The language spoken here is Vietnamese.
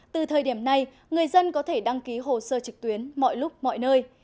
từ thời điểm này người dân có thể đăng ký hồ sơ trực tuyến mọi lúc mọi nơi